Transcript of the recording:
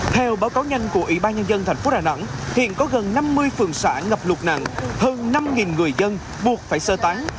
theo báo cáo nhanh của ủy ban nhân dân tp đà nẵng hiện có gần năm mươi phường xã ngập lụt nặng hơn năm người dân buộc phải sơ tán